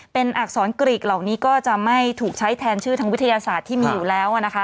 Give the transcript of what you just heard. เป็นอักษรกรีกเหล่านี้ก็จะไม่ถูกใช้แทนชื่อทางวิทยาศาสตร์ที่มีอยู่แล้วนะคะ